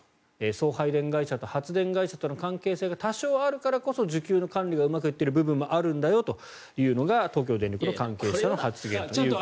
送配電会社と発電会社との関係性が多少あるからこそ需給の管理がうまくいっている部分もあるんだよというのが東京電力の関係者の発言。